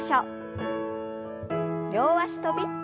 両脚跳び。